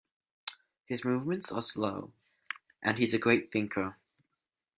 His movements are slow, and he is a great thinker.